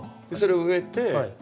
それを植えて。